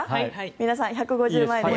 皆さん、１５０万円で。